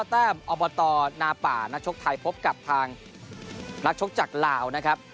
แต้มอบตนาป่านักชกไทยพบกับทางนักชกจากลาวนะครับ